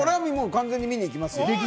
完全に見に行きます。